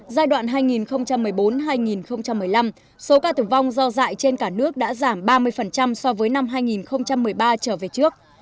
giai đoạn hai nghìn một mươi bốn hai nghìn một mươi năm số ca tử vong do dạy trên cả nước đã giảm ba mươi so với năm hai nghìn một mươi ba trở về trước